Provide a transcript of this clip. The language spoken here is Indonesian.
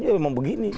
dia memang begini